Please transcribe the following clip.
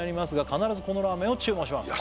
「必ずこのラーメンを注文します」